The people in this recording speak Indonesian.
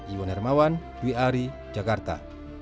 iwan hermawan dwi ari jakarta